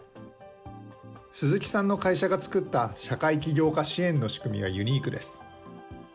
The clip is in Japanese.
鈴木さんの会社が作った社会起業家支援の仕組みがユニークです。